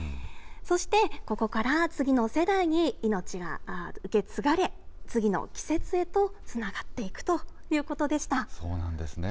そしてここから次の世代に命が受け継がれ、次の季節へとつながっそうなんですね。